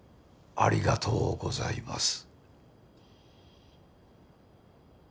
ありがとうございます。